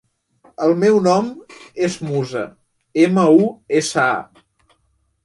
El meu nom és Musa: ema, u, essa, a.